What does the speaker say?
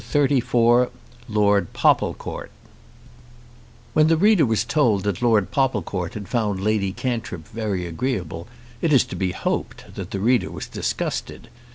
CHAPTER XXXIV Lord Popplecourt When the reader was told that Lord Popplecourt had found Lady Cantrip very agreeable it is to be hoped that the reader was disgusted.